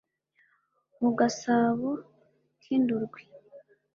mu gasabo k indurwe